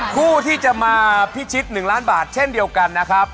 ผู้ที่จะมาพิชิต๑ล้านบาทเช่นเดียวกันนะครับ